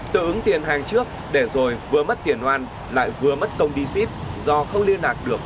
tự ứng tiền hàng trước để rồi vừa mất tiền oan lại vừa mất công đi ship do không liên lạc được